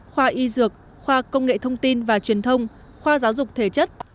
khoa y dược khoa công nghệ thông tin và truyền thông khoa giáo dục thể chất